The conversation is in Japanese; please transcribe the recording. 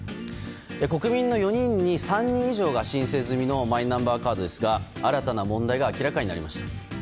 国民の４人に３人以上が申請済みのマイナンバーカードですが新たな問題が明らかになりました。